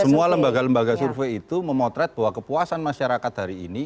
dan semua lembaga lembaga survei itu memotret bahwa kepuasan masyarakat hari ini